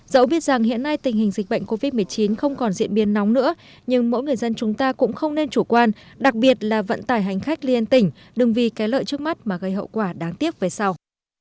dẫu biết rằng hiện nay tình hình dịch bệnh covid một mươi chín không còn diễn biến nóng nữa nhưng mỗi người dân chúng ta cũng không nên chủ quan đặc biệt là vận tải hành khách liên tỉnh đừng vì cái lợi trước mắt mà gây hậu quả đáng tiếc về sau